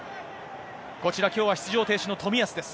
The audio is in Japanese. こちら、きょうは出場停止の冨安です。